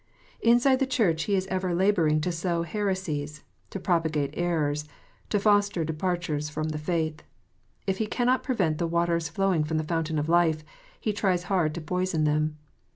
Inside the Church he is ever labouring to sow heresies, to propagate errors, to foster departures from the faith. If he cannot prevent the waters flowing from the Fountain of Life, he tries hard to poison them.